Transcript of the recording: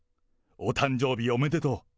お誕生日おめでとう。